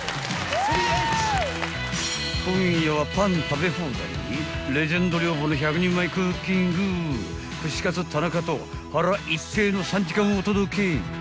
［今夜はパン食べ放題にレジェンド寮母の１００人前クッキング串カツ田中と腹いっぺえの３時間をお届け］